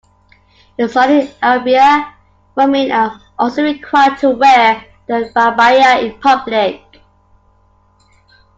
In Saudi Arabia, women are also required to wear the abaya in public.